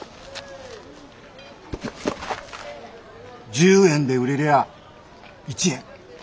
１０円で売れりゃあ１円。